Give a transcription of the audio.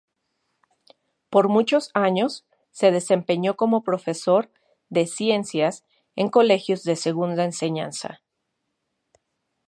Por muchos años se desempeñó como profesor de Ciencias en colegios de segunda enseñanza.